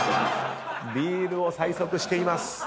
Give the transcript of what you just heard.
ビールを催促しています。